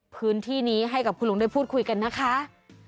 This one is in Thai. พื้นที่นี้ให้กับคุณลุงได้พูดคุยกันนะคะ